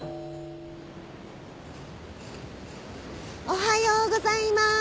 ・おはようございます。